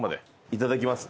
いただきます